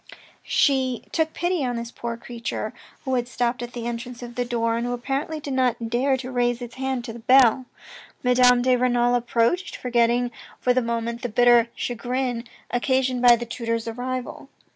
She took pity on this poor creature, who had stopped at the entrance of the door, and who apparently did not dare to raise its hand to the bell. Madame de Renal approached, forgetting for the moment the bitter chagrin occasioned by the tutor's arrival.